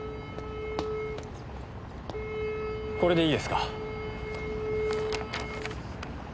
これでいいですか？